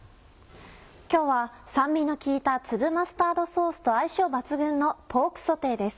今日は酸味が効いた粒マスタードソースと相性抜群のポークソテーです。